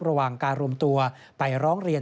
ระหว่างการรวมตัวไปร้องเรียน